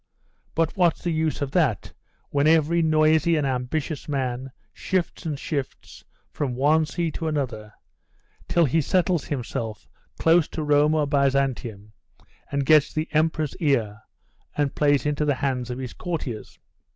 But what's the use of that, when every noisy and ambitious man shifts and shifts, from one see to another, till he settles himself close to Rome or Byzantium, and gets the emperor's ear, and plays into the hands of his courtiers?